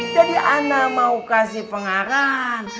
jadi anda mau kasih pengarahan